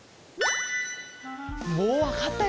もうわかったよね？